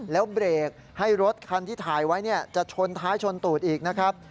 แล้วเบรกให้รถคันที่ถ่ายไว้จะชนท้ายชนตูดอีกนะครับ